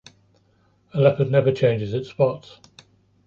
A leopard never changes its spots.